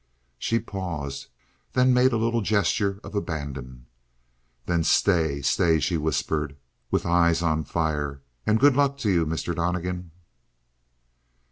She paused, then made a little gesture of abandon. "Then stay, stay!" she whispered with eyes on fire. "And good luck to you, Mr. Donnegan!"